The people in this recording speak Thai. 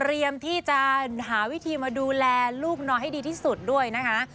ที่จะหาวิธีมาดูแลลูกน้อยให้ดีที่สุดด้วยนะคะ